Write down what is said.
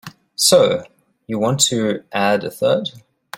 So you want to add a third?